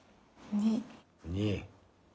２。